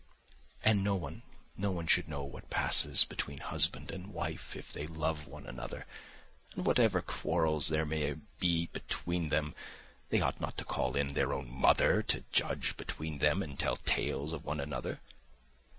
And no one, no one should know what passes between husband and wife if they love one another. And whatever quarrels there may be between them they ought not to call in their own mother to judge between them and tell tales of one another.